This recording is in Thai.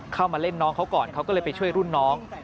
เข้ามาเล่นน้องเขาก่อนเขาก็เลยไปช่วยรุ่นน้อง